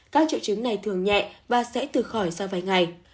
các triệu chứng này thường nhẹ và sẽ từ khỏi sau vài ngày